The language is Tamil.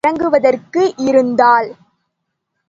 பதுமை இறங்குவதற்கு இருந்தாள்.